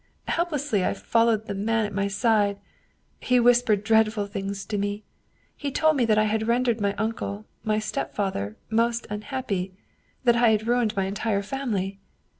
Helplessly I followed the man at my side. He whispered dreadful things to me. He told me that I had rendered my uncle, my stepfather, most unhappy, that I had ruined my entire family.